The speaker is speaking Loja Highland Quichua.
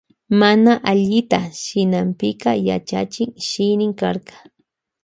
Mana allita shinanpika yachachin shinin karka.